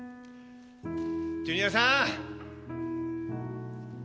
ジュニアさん。